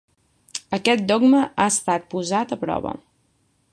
Aquest dogma ha estat posat a prova.